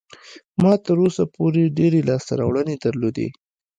ما تر اوسه پورې ډېرې لاسته راوړنې درلودې.